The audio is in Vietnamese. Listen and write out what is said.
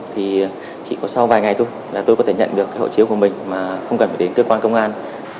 thì chỉ có sau vài ngày thôi là tôi có thể nhận được hộ chiếu của mình mà không cần phải đến cơ quan công an